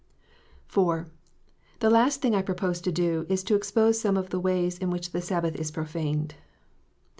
IV. The last thing I propose to do, is to expose some of the tcays in which the Sabbath is profaned.